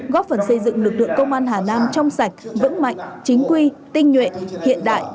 góp phần xây dựng lực lượng công an hà nam trong sạch vững mạnh chính quy tinh nhuệ hiện đại